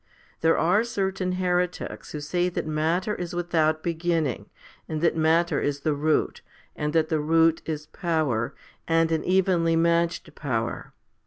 There are certain heretics who say that matter is without beginning, and that matter is the root, and that the root is power, and an evenly matched power.